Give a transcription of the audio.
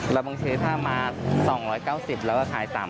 แล้วบางทีถ้ามา๒๙๐แล้วก็ขาย๓๐๐